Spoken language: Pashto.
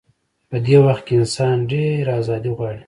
په دې وخت کې انسان ډېره ازادي غواړي.